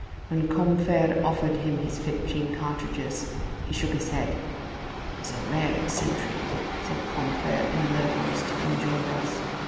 When Combeferre offered him his fifteen cartridges, he shook his head. "Here's a rare eccentric," said Combeferre in a low voice to Enjolras.